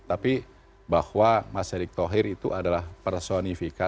tapi bahwa mas erick thohir itu adalah personifikasi